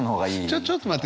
ちょちょっと待って。